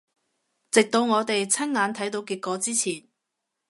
直到我哋親眼睇到結果之前